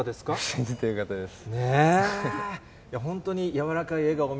信じてよかったです。